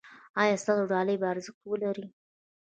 ایا ستاسو ډالۍ به ارزښت ولري؟